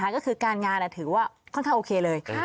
ก็คือการงานถือว่าค่อนข้างโอเคเลย